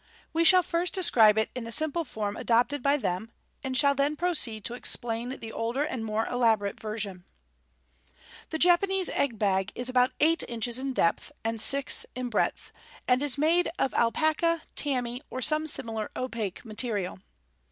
We shall first describe it in the simple form adopted by them, and shall then proceed to explain the older and more elaborate version. The Japanese egg bag is about eight inches in depth and six in breadth, and made of alpaca, tammy, or some similar opaque material.